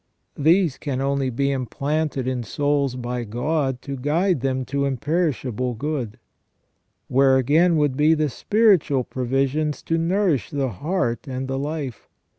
These can only be implanted in souls by God to guide them to imperishable good. Where, again, would be the spiritual provisions to nourish the heart and the hfe